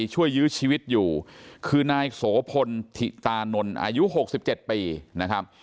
ช่วยยื้อชีวิตอยู่คือนายโสพลถิตานนอายุหกสิบเจ็ดปีนะครับ